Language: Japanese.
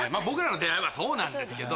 僕らの出会いはそうなんです。